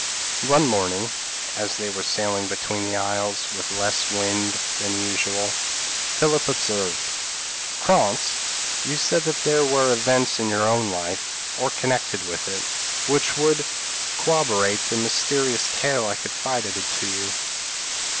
One morning, as they were sailing between the isles, with less wind than usual, Philip observed: "Krantz, you said that there were events in your own life, or connected with it, which would corroborate the mysterious tale I confided to you.